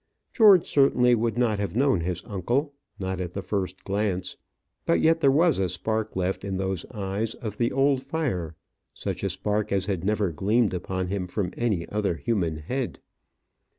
George certainly would not have known his uncle not at the first glance. But yet there was a spark left in those eyes, of the old fire; such a spark as had never gleamed upon him from any other human head.